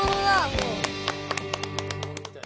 もう。